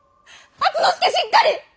敦之助しっかり！